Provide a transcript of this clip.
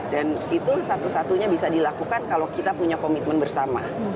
dan itu satu satunya bisa dilakukan kalau kita punya komitmen bersama